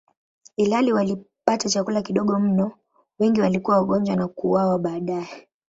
Ilhali walipata chakula kidogo mno, wengi walikuwa wagonjwa na kuuawa baadaye.